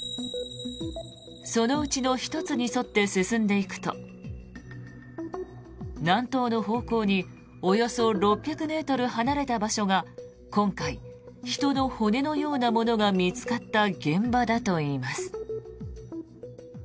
そのうちの１つに沿って進んでいくと南東の方向におよそ６００ｍ離れた場所が今回、人の骨のようなものが見つかった現場だといいます。